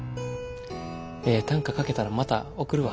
ええ短歌書けたらまた送るわ。